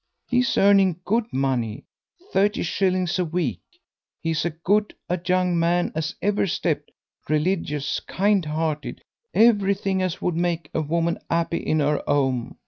He's earning good money, thirty shillings a week; he's as good a young man as ever stepped religious, kind hearted, everything as would make a woman 'appy in 'er 'ome.